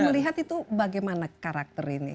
saya lihat itu bagaimana karakter ini